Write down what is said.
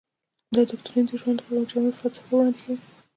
دا دوکتورین د ژوند لپاره جامعه فلسفه وړاندې کوي.